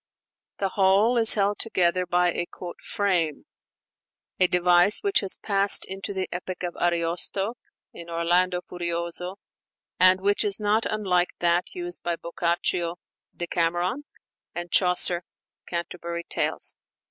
The whole is held together by a "frame"; a device which has passed into the epic of Ariosto ('Orlando Furioso,' xxviii.), and which is not unlike that used by Boccaccio ('Decameron') and Chaucer ('Canterbury Tales').